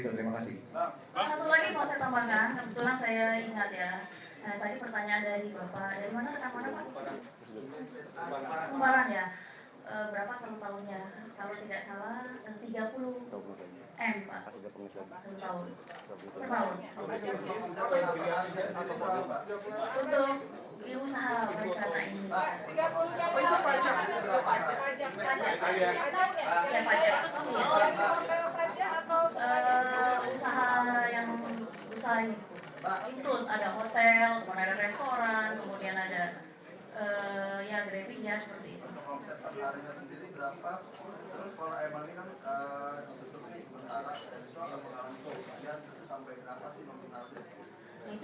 karena memang ini belum kesana pak jalannya pak